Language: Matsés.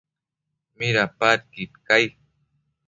Midapadquid cai?